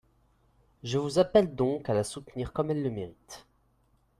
Je vous appelle donc à la soutenir comme elle le mérite.